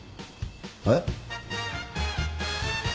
えっ？